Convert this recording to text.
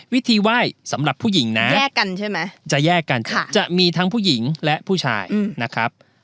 วิธีไหว้สำหรับผู้หญิงนะแยกกันใช่ไหมจะแยกกันจะมีทั้งผู้หญิงและผู้ชายนะครับ